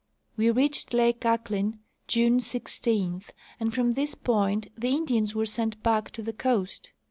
We reached lake Ahklen June 16. and from this point the Indians were sent back to the coast.